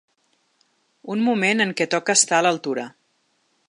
Un moment en què toca estar a l’altura.